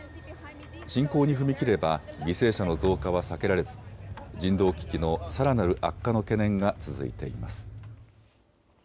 侵攻に踏み切れば犠牲者の増加は避けられず人道危機のさらなる悪化の懸念が続いています。